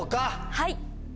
はい！